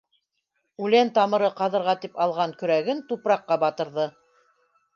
Үлән тамыры ҡаҙырға тип алған көрәген тупраҡҡа батырҙы: